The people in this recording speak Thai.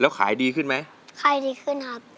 แล้วขายดีขึ้นไหมขายดีขึ้นครับ